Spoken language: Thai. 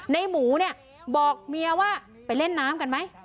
ในหมูเนี่ยบอกเมียว่าไปเล่นน้ำกันไหม